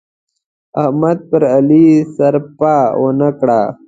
احمد پر علي سرپه و نه کړه.